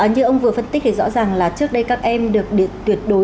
như ông vừa phân tích thì rõ ràng là trước đây các em được tuyệt đối